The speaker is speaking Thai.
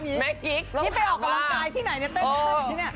นี่ไปออกกำลังกายที่ไหนเป็นไง